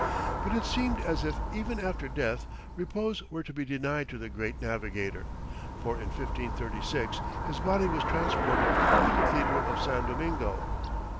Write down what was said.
But it seemed as if, even after death, repose were to be denied to the great navigator, for in 1536 his body was transported to the cathedral of San Domingo.